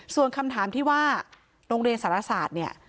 ส่วนคำถามที่ว่าโรงเรียนสารศาสตร์เนี่ย